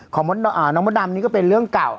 ของน้องมดดำนี่ก็เป็นเรื่องเก่า